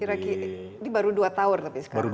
ini baru dua tower tapi sekarang